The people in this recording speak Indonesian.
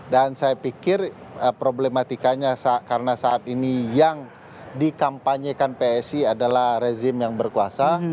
dan saya pikir problematikanya karena saat ini yang dikampanyekan psi adalah rezim yang berkuasa